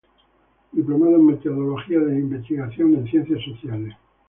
Diplomado en Metodología de Investigación en Ciencias Sociales.